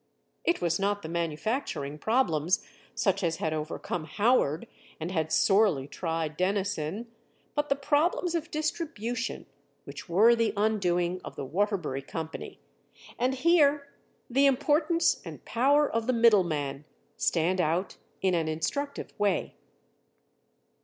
It was not the manufacturing problems, such as had overcome Howard and had sorely tried Dennison, but the problems of distribution which were the undoing of the Waterbury Company, and here the importance and power of the middleman stand out in an instructive way.